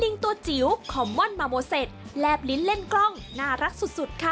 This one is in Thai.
ตัวจิ๋วคอมม่อนมาโมเซตแลบลิ้นเล่นกล้องน่ารักสุดสุดค่ะ